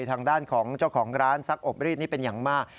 ทางด้านของเจ้าของร้านซักอบรีดนี่เป็นอย่างมาก